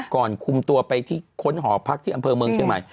ก่อนคุมตัวไปที่ค้นหอพักที่อำเภอเมืองเชียงใหม่